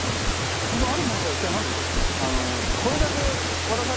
そのあるものとは一体なんでしょう？